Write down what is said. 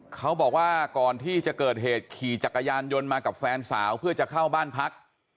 เขาบอกว่าก่อนที่จะเกิดเหตุขี่จักรยานยนต์มากับแฟนสาวเพื่อจะเข้าบ้านพัก